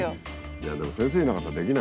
いやでも先生いなかったらできない。